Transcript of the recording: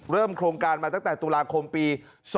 เริ่มโครงการมาตั้งแต่ตุลาคมปี